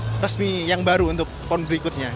dan ini adalah lirikan resmi yang baru untuk pon berikutnya